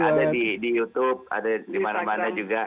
ada di youtube ada dimana mana juga